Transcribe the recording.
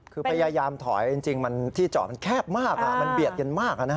คือพยายามถอยจริงที่จอดมันแคบมากมันเบียดกันมาก